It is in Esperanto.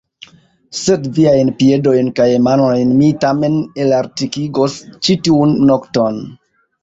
Sed viajn piedojn kaj manojn mi tamen elartikigos ĉi tiun nokton!